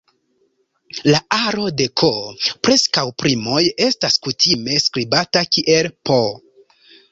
La aro de "k"-preskaŭ primoj estas kutime skribata kiel "P".